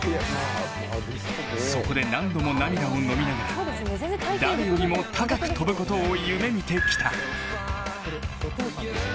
そこで何度も涙をのみながら誰よりも高く跳ぶことを夢見てきた。